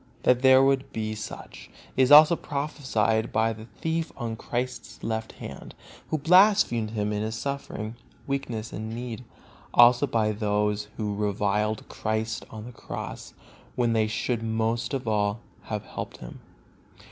That there would be such is also prophesied by the thief on Christ's left hand, who blasphemed Him in His suffering, weakness and need; also by all those who reviled Christ on the Cross, when they should most of all have helped Him.